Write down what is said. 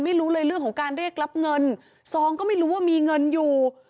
ไม่รู้เลยเรื่องของการเรียกรับเงินซองก็ไม่รู้ว่ามีเงินอยู่